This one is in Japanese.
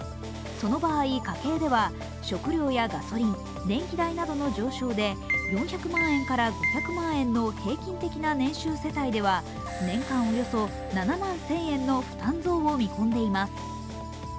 その場合、家計では食料やガソリン電気代などの上昇で４００万円から５００万円の平均的な年収世帯では年間およそ７万１０００円の負担増を見込んでいます。